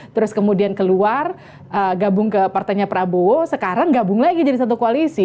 terus kemudian keluar gabung ke partainya prabowo sekarang gabung lagi jadi satu koalisi